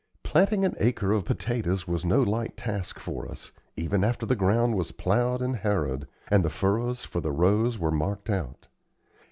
Planting an acre of potatoes was no light task for us, even after the ground was plowed and harrowed, and the furrows for the rows were marked out.